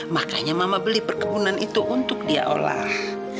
makanya mama beli pet kebunan itu untuk dia olah